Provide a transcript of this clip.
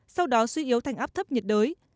sau đó suy yếu thành áp thấp nhiệt đới